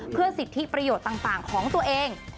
เพื่อสิทธิประโยชน์ต่างของตัวเอง